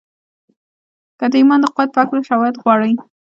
که د ايمان د قوت په هکله شواهد غواړئ.